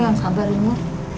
lo yang sabar ini